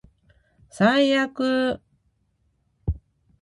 最悪